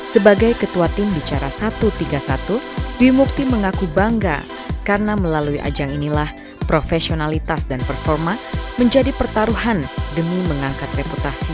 sebagai ketua tim bicara satu ratus tiga puluh satu dwi mukti mengaku bangga karena melalui ajang inilah profesionalitas dan performa menjadi pertaruhan demi mengangkat reputasi